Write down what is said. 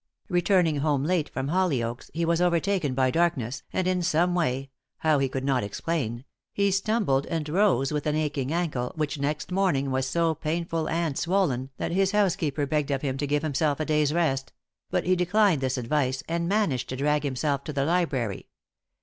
Returning home late from Hollyoaks, he was overtaken by darkness, and in some way how he could not explain he stumbled and rose with an aching ankle, which next morning was so painful and swollen that his housekeeper begged of him to give himself a day's rest; but he declined this advice, and managed to drag himself to the library.